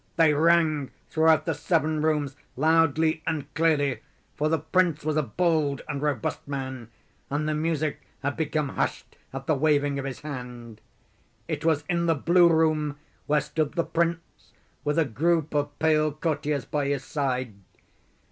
They rang throughout the seven rooms loudly and clearly—for the prince was a bold and robust man, and the music had become hushed at the waving of his hand. It was in the blue room where stood the prince, with a group of pale courtiers by his side.